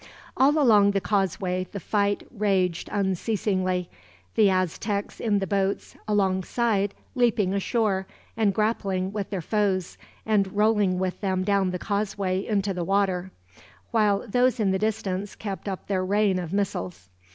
All along the causeway the fight raged unceasingly; the Aztecs in the boats alongside leaping ashore, and grappling with their foes, and rolling with them down the causeway into the water; while those in the distance kept up their rain of missiles.